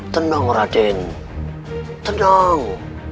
tenang raden tenang